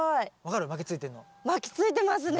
巻きついてますね。